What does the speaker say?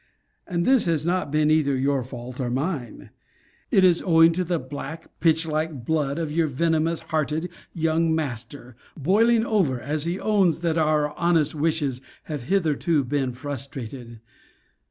But this has not been either your fault or mine: it is owing to the black, pitch like blood of your venomous hearted young master, boiling over, as he owns, that our honest wishes have hitherto been frustrated.